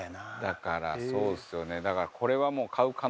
だからそうですよね。